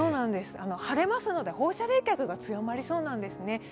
晴れますので放射冷却が強まりそうなんですね。